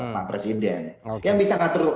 pak presiden oke yang bisa ngatur